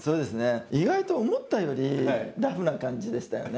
意外と思ったよりラフな感じでしたよね。